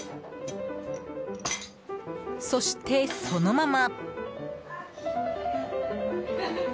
そして、そのまま。